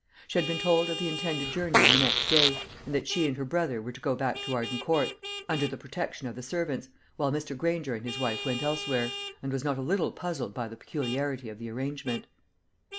She had been told of the intended journey on the next day, and that she and her brother were to go back to Arden Court, under the protection of the servants, while Mr. Granger and his wife went elsewhere, and was not a little puzzled by the peculiarity of the arrangement.